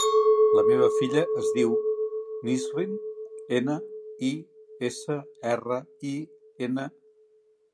La meva filla es diu Nisrin: ena, i, essa, erra, i, ena.